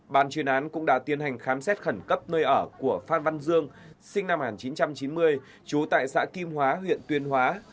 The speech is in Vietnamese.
bàn chuyên án cũng đã tiến hành khám xét khẩn cấp nơi ở của phan văn dương sinh năm một nghìn chín trăm chín mươi